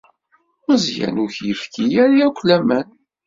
Meẓẓyan ur yefki ara akk laman.